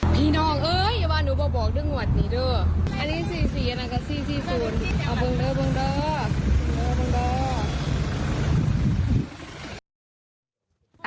ปีน่องเฮ้ยอย่าว่านูปบอกด้วยงวัดนี้เด้อ